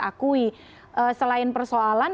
akui selain persoalan